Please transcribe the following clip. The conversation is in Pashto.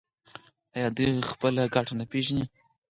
آیا دوی خپله ګټه نه پیژني؟